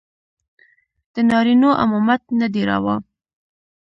د نارينو امامت نه دى روا.